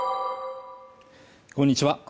こんにちは